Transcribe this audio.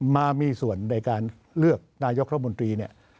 มามีส่วนในการเลือกนายกรมนตรี